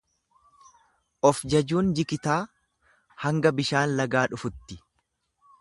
Of-jajuun jikitaa hanga bishaan lagaa dhufutti!